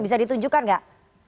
bisa ditunjukkan nggak